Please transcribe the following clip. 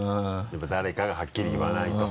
やっぱり誰かがはっきり言わないと。